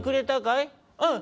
うん！